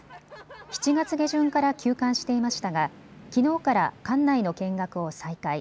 ７月下旬から休館していましたがきのうから館内の見学を再開。